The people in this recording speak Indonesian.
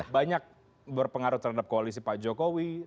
banyak berpengaruh terhadap koalisi pak jokowi